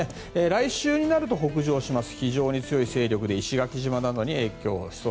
来週になると北上します。